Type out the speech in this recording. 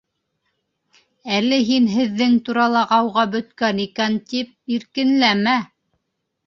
Әле һин һеҙҙең турала ғауға бөткән икән тип иркенләмә.